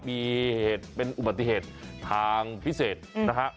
มีเหตุเป็นอุบัติเหตุทางพิเศษนะฮะ